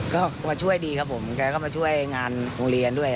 ก็มาช่วยดีครับผมแกก็มาช่วยงานโรงเรียนด้วย